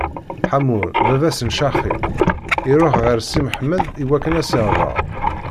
Ḥamur, baba-s n Caxim, iṛuḥ ɣer Si Mḥemmed iwakken ad s-ihdeṛ.